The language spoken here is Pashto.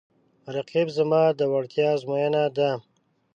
رقیب زما د وړتیا ازموینه ده